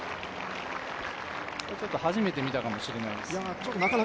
初めて見たかもしれないです。